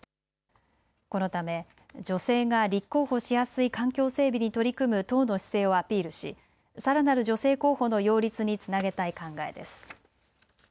このため女性が立候補しやすい環境整備に取り組む党の姿勢をアピールし、さらなる女性候補の擁立につなげたい考えです。